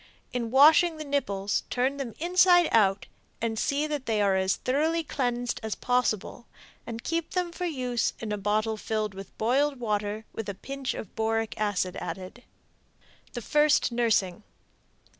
In washing the nipples turn them inside out and see that they are as thoroughly cleaned as possible, and keep them for use in a bottle filled with boiled water with a pinch of boric acid added. The First Nursing.